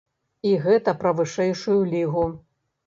І гэта пра вышэйшую лігу.